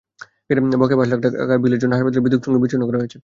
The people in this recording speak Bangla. বকেয়া পাঁচ লাখ টাকার বিলের জন্য হাসপাতালের বিদ্যুৎ-সংযোগ বিচ্ছিন্ন করা হয়েছে।